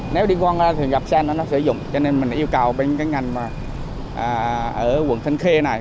nếu đi quan ra thì gặp xe nó sử dụng cho nên mình yêu cầu bên cái ngành ở quận thanh khê này